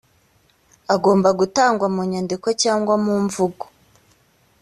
agomba gutangwa mu nyandiko cyangwa mu mvugo